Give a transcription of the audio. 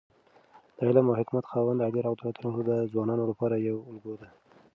د علم او حکمت خاوند علي رض د ځوانانو لپاره یوه الګو ده.